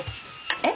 えっ？